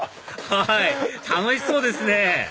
はい楽しそうですね